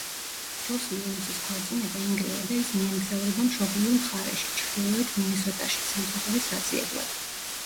ჯოსი ეიმსის ქორწინება ინგრევა და ის მიემგზავრება მშობლიურ მხარეში, ჩრდილოეთ მინესოტაში სამსახურის საძიებლად.